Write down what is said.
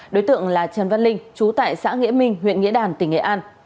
đối tượng là trần văn linh chú tại xã nghĩa minh huyện nghĩa đàn tỉnh nghệ an